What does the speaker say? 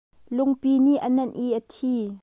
Lungpi nih a nenh i a thi.